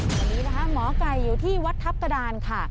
วันนี้นะคะหมอไก่อยู่ที่วัดทัพกระดานค่ะ